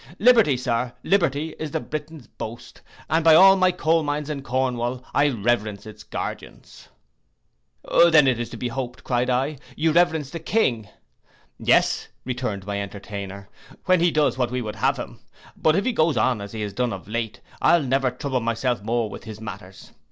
Liberty, Sir, liberty is the Briton's boast, and by all my coal mines in Cornwall, I reverence its guardians.' 'Then it is to be hoped,' cried I, 'you reverence the king.' 'Yes,' returned my entertainer, 'when he does what we would have him; but if he goes on as he has done of late, I'll never trouble myself more with his matters.